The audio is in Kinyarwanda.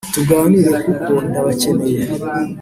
tuganire kuko ndabakeneye”